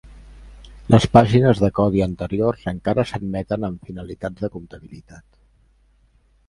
Les pàgines de codi anteriors encara s'admeten amb finalitats de compatibilitat.